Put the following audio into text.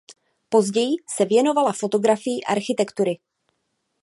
Později se věnovala fotografii architektury.